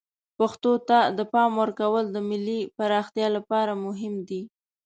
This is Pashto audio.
پښتو ته د پام ورکول د ملی پراختیا لپاره مهم دی.